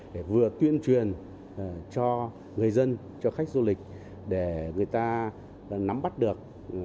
để vừa tuyên truyền cho người dân cho khách du lịch để người ta nắm bắt được